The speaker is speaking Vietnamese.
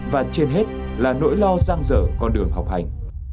và trên hết là nỗi lo giang dở con đường học hành